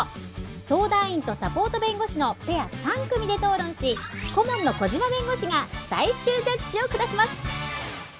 相談員とサポート弁護士のペア３組で討論し顧問の小島弁護士が最終ジャッジを下します